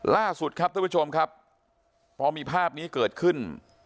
ล่าสุดครับท่านผู้ชมครับพอมีภาพนี้เกิดขึ้น